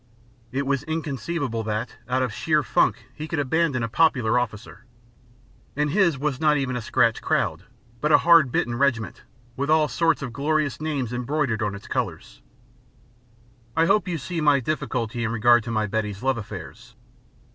It was inconceivable that out of sheer funk he could abandon a popular officer. And his was not even a scratch crowd, but a hard bitten regiment with all sorts of glorious names embroidered on its colours.... I hope you see my difficulty in regard to my Betty's love affairs.